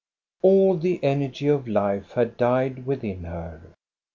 All the energy of life had died within her.